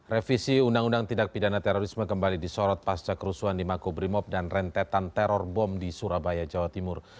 revisi undang undang tidak pidana terorisme kembali disorot pasca kerusuhan di makobrimob dan rentetan teror bom di surabaya jawa timur